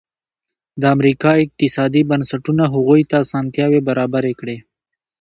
د امریکا اقتصادي بنسټونو هغوی ته اسانتیاوې برابرې کړې.